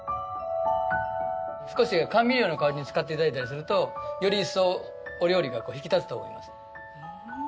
少し甘味料の代わりに使って頂いたりするとより一層お料理が引き立つと思います。